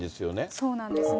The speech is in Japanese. そうなんですね。